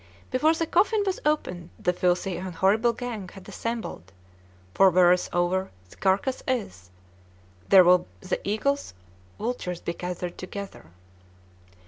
Before the coffin was opened the filthy and horrible gang had assembled, 'for wheresoever the carcass is, there will the eagles (vultures) be gathered together.'